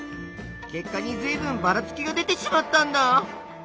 結果にずいぶんばらつきが出てしまったんだ！